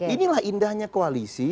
inilah indahnya koalisi